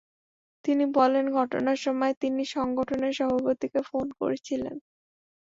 তিনি বলেন, ঘটনার সময় তিনি সংগঠনের সভাপতিকে ফোন করেছিলেন।